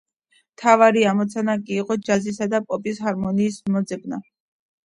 მთავარი ამოცანა კი იყო ჯაზისა და პოპის ჰარმონიის მოძებნა.